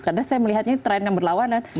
karena saya melihatnya tren yang berlawanan